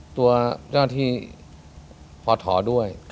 ตัวเจ้าที่พอถอด้วย